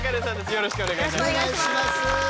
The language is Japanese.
よろしくお願いします。